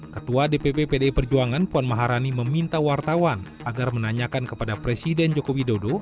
ketua dpp pdi perjuangan puan maharani meminta wartawan agar menanyakan kepada presiden joko widodo